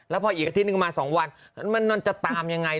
แล้วพออีกอาทิตย์หนึ่งมา๒วันมันจะตามยังไง